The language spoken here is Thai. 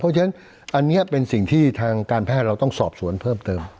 เพราะฉะนั้นอันนี้เป็นสิ่งที่ทางการแพทย์เราต้องสอบสวนเพิ่มเติม